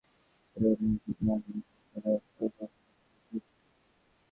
তবে সারা পৃথিবীর সংবাদমাধ্যমের আচরণে বিশুদ্ধ মানবিক সংবেদনশীলতার অভাব মাঝেমধ্যেই ফুটে ওঠে।